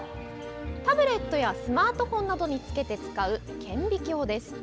タブレットやスマートフォンなどにつけて使う顕微鏡です。